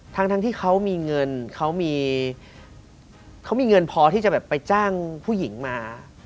ทั้งที่เขามีเงินเขามีเงินพอที่จะแบบไปจ้างผู้หญิงมา